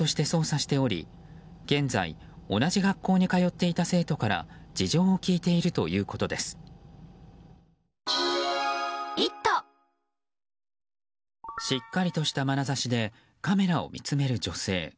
しっかりとしたまなざしでカメラを見つめる女性。